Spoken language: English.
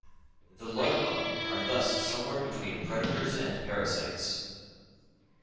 The larvae are thus somewhere between predators and parasites.